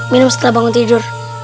minum setelah bangun tidur